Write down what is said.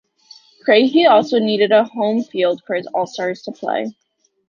Kraehe also needed a home field for his All-Stars to play.